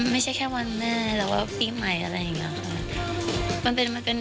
ไม่ใช่แค่วันแม่หรือว่าปีใหม่อะไรอย่างนี้ค่ะ